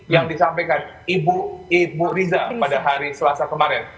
yang disampaikan ibu riza pada hari selasa kemarin